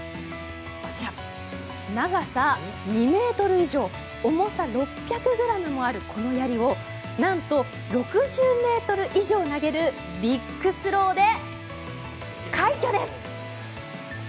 こちら、長さ２ｍ以上重さ６００ｇもあるこのやりをなんと６０ｍ以上投げるビッグスローで、快挙です！